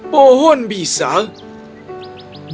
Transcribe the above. bangunan tidak bisa memberikan kenyamanan